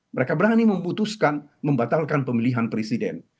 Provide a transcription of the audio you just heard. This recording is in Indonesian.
mereka berani memutuskan membatalkan pemilihan presiden